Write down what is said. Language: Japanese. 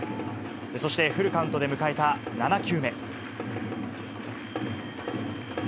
そしてフルカウントで迎えた７球目。